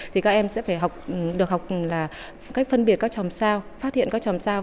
thì các em sẽ được học cách phân biệt các tròm sao phát hiện các tròm sao